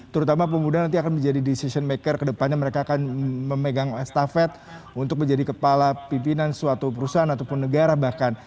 terutama pemuda nanti akan menjadi decision maker kedepannya mereka akan memegang estafet untuk menjadi kepala pimpinan suatu perusahaan ataupun negara bahkan